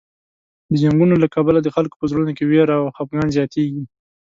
د جنګونو له کبله د خلکو په زړونو کې وېره او خفګان زیاتېږي.